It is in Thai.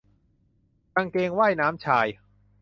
กางเกงว่ายน้ำชาย